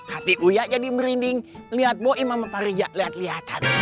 hati buya jadi merinding liat buaya mama pari jak liat liatan